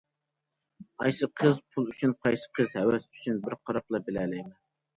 قايسى قىز پۇل ئۈچۈن قايسى قىز ھەۋەس ئۈچۈن بىر قاراپلا بىلەلەيمەن.